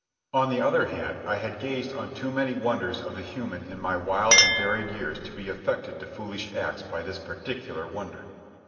On the other hand, I had gazed on too many wonders of the human in my wild and varied years to be affected to foolish acts by this particular wonder.